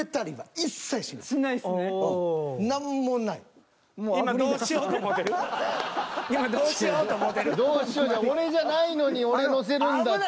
違うどうしようじゃない俺じゃないのに俺乗せるんだって。